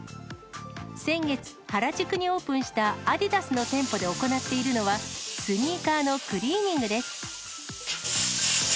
先月、原宿にオープンしたアディダスの店舗で行っているのは、スニーカーのクリーニングです。